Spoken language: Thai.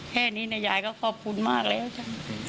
แค่นี้นะยายก็ขอบคุณมากแล้วจ้ะ